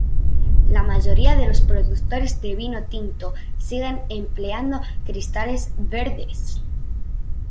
La mayoría de los productores de vino tinto siguen empleando cristales verdes.